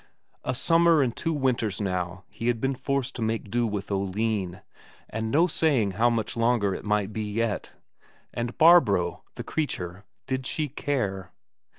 A summer and two winters now he had been forced to make do with Oline, and no saying how much longer it might be yet. And Barbro, the creature, did she care?